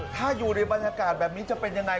ถ้าอยู่ในบรรยากาศแบบนี้จะเป็นยังไง